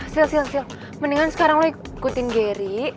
sil sil sil mendingan sekarang lo ikutin gary